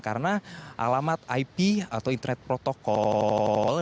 karena alamat ip atau internet protokol